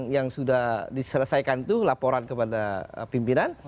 yang sudah diselesaikan itu laporan kepada pimpinan